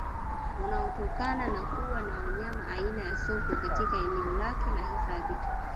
Unaotokana na kuwa na wanyama aina ya Sokwe katika eneo lake la hifadhi